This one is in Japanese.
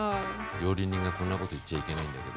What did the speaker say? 料理人がこんなこと言っちゃいけないんだけど。